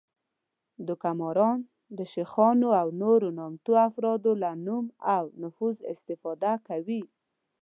دوکه ماران د شیخانو او نورو نامتو افرادو له نوم او نفوذ استفاده کوي